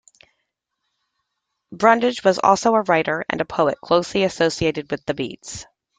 Brundage was also a writer and poet closely associated with the Beats.